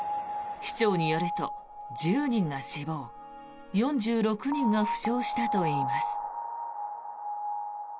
市長によると１０人が死亡４６人が負傷したといいます。